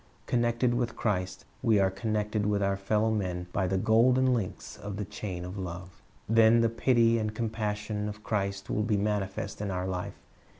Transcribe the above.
Connected with Christ, we are connected with our fellow men by the " JV/i o Is My Nc igh b o r ? 385 golden links of the chain of love. Then the pity and compassion of Christ will be manifest in our life.